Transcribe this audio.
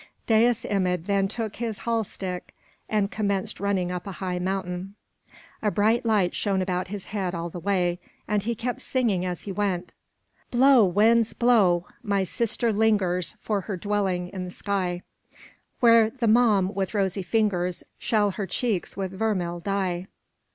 Dais Imid then took his hall stick and commenced running up a high mountain; a bright light shone about his head all the way, and he kept singing as he went:= ```Blow, winds, blow! my sister lingers ````For her dwelling in the sky, ```Where the mom, with rosy fingers, ````Shall her cheeks with vermil dye.